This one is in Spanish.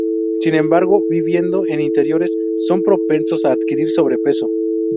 Sin embargo, viviendo en interiores, son propensos a adquirir sobrepeso.